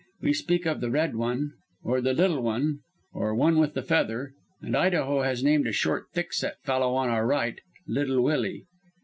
We speak of the Red One, or the Little One, or the One with the Feather, and Idaho has named a short thickset fellow on our right 'Little Willie.'